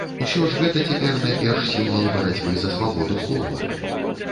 Усё ж гэта цяпер найперш сімвал барацьбы за свабоду слова.